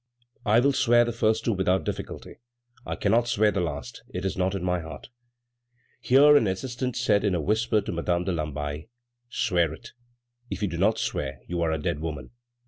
"I will swear the first two without difficulty; I cannot swear the last; it is not in my heart." Here an assistant said in a whisper to Madame de Lamballe: "Swear it! if you do not swear, you are a dead woman."